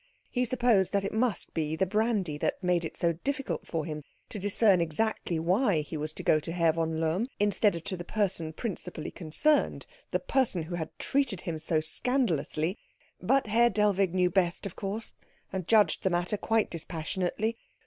He supposed that it must be the brandy that made it so difficult for him to discern exactly why he was to go to Herr von Lohm instead of to the person principally concerned, the person who had treated him so scandalously; but Herr Dellwig knew best, of course, and judged the matter quite dispassionately.